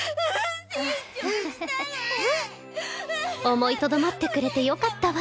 思いとどまってくれてよかったわ。